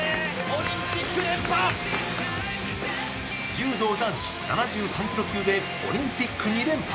柔道男子７３キロ級でオリンピック２連覇。